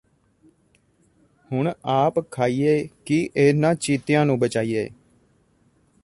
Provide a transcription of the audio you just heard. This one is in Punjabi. ਹੁਣ ਆਪ ਖਾਈਏ ਕਿ ਇਨ੍ਹਾਂ ਚੀਤਿਆਂ ਨੂੰ ਬਚਾਈਏ